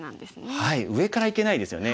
はい上からいけないですよね。